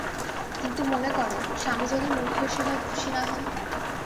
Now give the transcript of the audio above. কিন্তু মনে করো, স্বামী যদি মূর্খের সেবায় খুশি না হন?